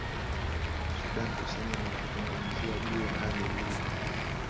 sudan kusini na kuzungumzia juu ya hali ilivyo